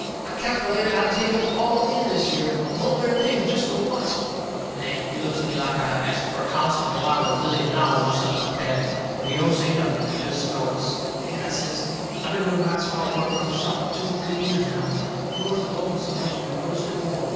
I calkelated I'd take 'em all in this year the hull dern thing, jest fur oncet." Hank, he looks at me like I'd asted fur a house 'n' lot, or a million dollars, or something like that. But he don't say nothing. He jest snorts. "Hank," I says, "I been doing right smart work around the shop fur two, three years now. If you wasn't loafing so much you'd a noticed it more.